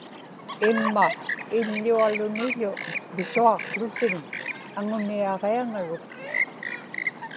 imma iḷḷualuni-ḷu pisuaqłutiŋ aŋuniaġiaŋaruk